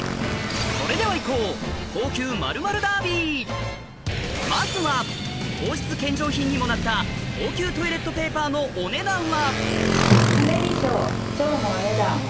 それでは行こうまずは皇室献上品にもなった高級トイレットペーパー「羽美翔蝶」のお値段は。